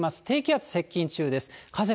低気圧接近中です。